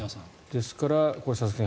ですから、佐々木さん